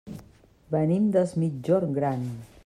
Venim des Migjorn Gran.